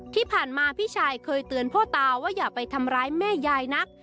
ที่ผ่านมาพี่ชายเคยเตือนพ่อตาว่าอย่าไปทำร้ายแม่ยายนัก